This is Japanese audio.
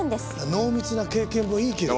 濃密な経験もいいけど。